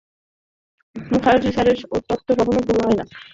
মুখার্জি স্যারের তথ্য কখনো ভুল হয় নাই।